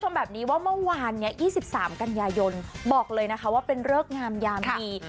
ชมแบบนี้ว่าเมื่อวานนี้๒๓กันยายนบอกเลยนะคะว่าเป็นเริกงามยามดี